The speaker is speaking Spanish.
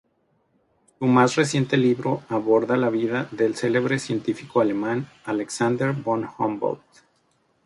Su más reciente libro aborda la vida del celebre científico alemán Alexander Von Humboldt.